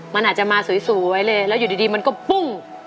มันอาจจะมาสวยไว้เลยแล้วอยู่ดีมันก็ปุ้ง